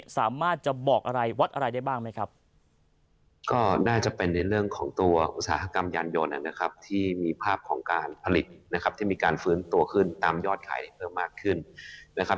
สามารถจะบอกอะไรวัดอะไรได้บ้างไหมครับ